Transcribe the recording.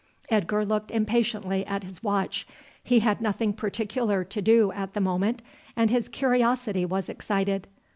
Edgar looked impatiently at his watch. He had nothing particular to do at the moment, and his curiosity was excited.